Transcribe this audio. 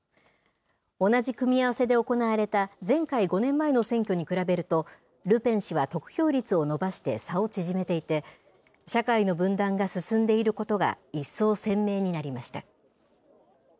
同じ組み合わせで行われた、前回５年前の選挙に比べると、ルペン氏は得票率を伸ばして差を縮めていて、社会の分断が進んでいることが一層鮮明になりました。